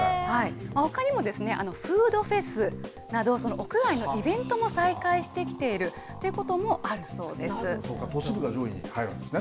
ほかにもですね、フードフェスなど、屋外のイベントも再開してきているということもあるそうそうか、都市部に一部が入るんですね。